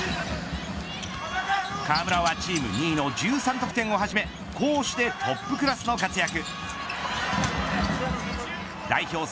河村はチーム２位の１３得点をはじめ攻守でトップクラスの活躍。